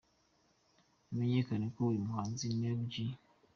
Bimenyekanye ko uyu muhanzi Neg G.